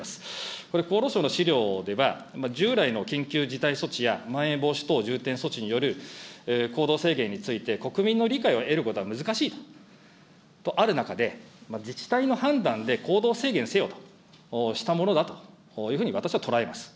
これ、厚労省の資料では、従来の緊急事態措置やまん延防止等重点措置による行動制限について、国民の理解を得ることは難しいとある中で、自治体の判断で行動制限せよとしたものだというふうに私は捉えます。